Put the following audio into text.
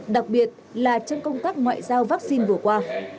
đặc biệt là trong công tác ngoại giao vaccine vừa qua